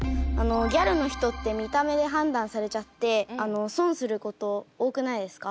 ギャルの人って見た目で判断されちゃって損すること多くないですか？